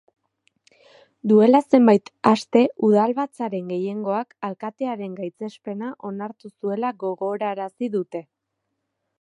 Duela zenbait aste udalbatzaren gehiengoak alkatearen gaitzespena onartu zuela gogorarazi dute.